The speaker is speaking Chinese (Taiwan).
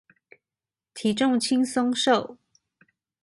體重輕鬆瘦